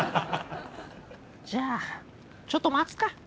じゃあちょっと待つか。